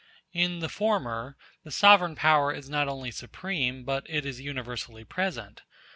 In the former the sovereign power is not only supreme, but it is universally present.